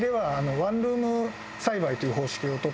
ワンルーム栽培？